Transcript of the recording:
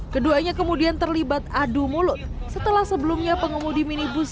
keduanya kemudian terlibat adu mulut setelah sebelumnya pengemudi minibus